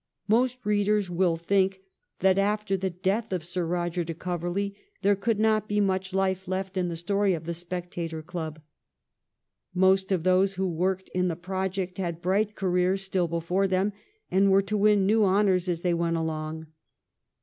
Most readers will think that after the death of Sir Eoger de Coverley there could not be much life left in the story of 'The 190 THE REIGN OF QUEEN ANNE. ch. xxix. Spectator ' Club. Most of those who worked in the project had bright careers still before them and were to win new honours as they went along.